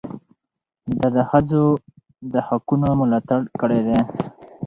ده د ښځو د حقونو ملاتړ کړی دی.